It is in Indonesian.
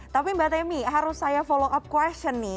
tapi mbak temi harus saya follow up question nih